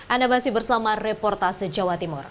anda masih bersama reportase jawa timur